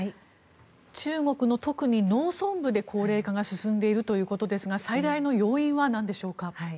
中国の特に農村部で高齢化が進んでいるということですが最大の要因はなんでしょうか。